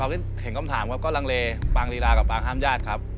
เห็นคำถามครับก็ลังเลปางลีลากับปางห้ามญาติครับ